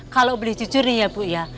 kalau beli jujur nih ya bu ya